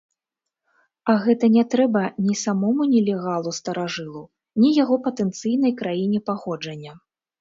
А гэта не трэба ні самому нелегалу-старажылу, ні яго патэнцыйнай краіне паходжання.